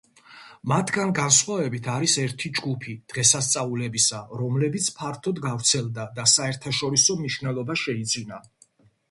მათგან განსხვავებით არის ერთი ჯგუფი დღესასწაულებისა, რომლებიც ფართოდ გავრცელდა და საერთაშორისო მნიშვნელობა შეიძინა.